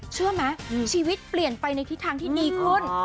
เชื่อไหมชีวิตเปลี่ยนไปในทิศทางที่ดีขึ้น